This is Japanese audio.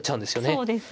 そうですね。